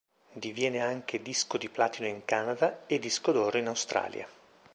Diviene anche disco di platino in Canada e disco d'oro in Australia.